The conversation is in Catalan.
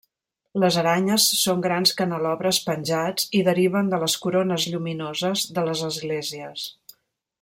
Les aranyes són grans canelobres penjats i deriven de les corones lluminoses de les esglésies.